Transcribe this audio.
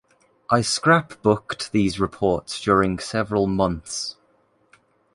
I scrapbooked these reports during several months.